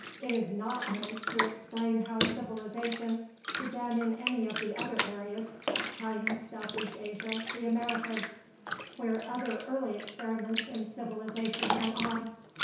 It is not meant to explain how civilization began in any of the other areas China, southeast Asia, the Americas where other early experiments in civilization went on.